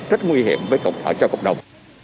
rất nguy hiểm cho cộng đồng